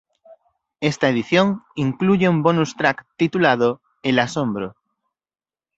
Esta edición, incluye un bonus track, titulado "El Asombro".